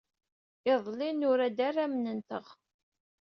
Iḍelli, nura-d arramen-nteɣ.